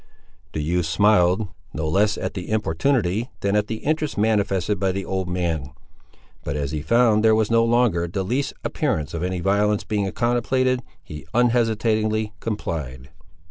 The youth smiled, no less at the importunity than at the interest manifested by the old man; but as he found there was no longer the least appearance of any violence being contemplated, he unhesitatingly complied.